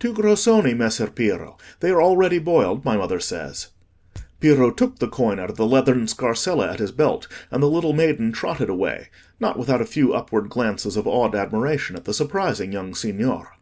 "Two grossoni, Messer Piero; they are all ready boiled, my mother says." Piero took the coin out of the leathern scarsella at his belt, and the little maiden trotted away, not without a few upward glances of awed admiration at the surprising young signor.